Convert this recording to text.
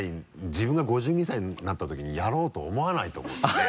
自分が５２歳になったときにやろうと思わないと思うんですよね